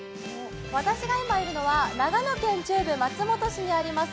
私が今いるのは長野県中部松本市にあります